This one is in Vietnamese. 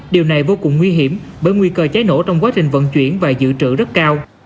điều này vô cùng nguy hiểm bởi nguy cơ cháy nổ trong quá trình vận chuyển và dự trữ rất cao